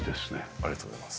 ありがとうございます。